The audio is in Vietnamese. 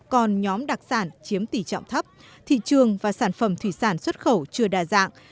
còn nhóm đặc sản chiếm tỷ trọng thấp thị trường và sản phẩm thủy sản xuất khẩu chưa đa dạng